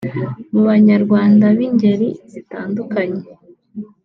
Mu banyarwanda b’ingeri zitandukanye